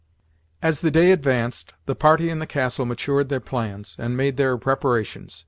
As the day advanced, the party in the castle matured their plans, and made their preparations.